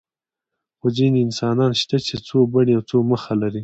خو ځینې انسانان شته چې څو بڼې او څو مخه لري.